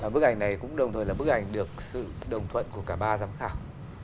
bức ảnh này cũng đồng thời là bức ảnh được sự đồng thuận của cả ba giám khảo